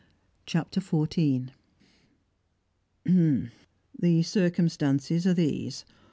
CHAPTER XIV "The circumstances are these.